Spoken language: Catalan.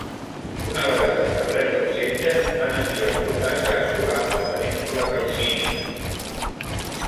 Una vegada establert el setge va enviar als soldats a assolar la península Calcídica.